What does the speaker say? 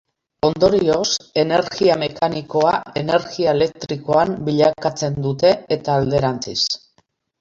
Ondorioz energia mekanikoa energia elektrikoan bilakatzen dute eta alderantziz.